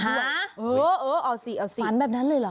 เหรอเออเอาสิเอาสิฝันแบบนั้นเลยเหรอ